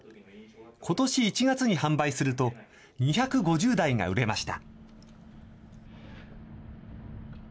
ことし１月に販売すると、２５０台が売れました。